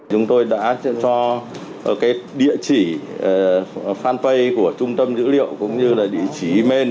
chúng tôi đã cho địa chỉ fanpage của trung tâm dữ liệu cũng như là địa chỉ email